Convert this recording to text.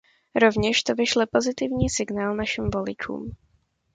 Rovněž to vyšle pozitivní signál našim voličům.